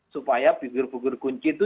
supaya figur figur kunci itu